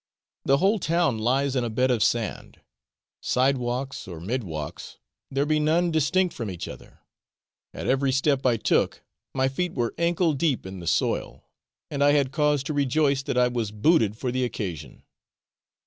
The whole town lies in a bed of sand side walks, or mid walks, there be none distinct from each other; at every step I took my feet were ankle deep in the soil, and I had cause to rejoice that I was booted for the occasion.